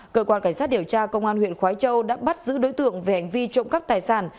cơ quan cảnh sát điều tra công an huyện khói châu đã bắt giữ đối tượng về hành vi trộm cắp tài sản